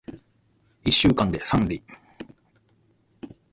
一週間で三里